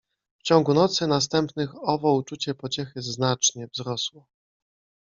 W ciągu nocy następnych owo uczucie pociechy znacznie wzrosło.